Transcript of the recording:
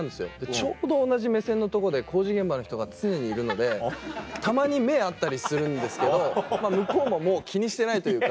ちょうど同じ目線のとこで工事現場の人が常にいるのでたまに目合ったりするんですけど向こうももう気にしてないというか。